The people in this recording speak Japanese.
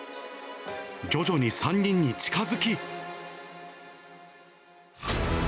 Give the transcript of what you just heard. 徐々に３人に近づき。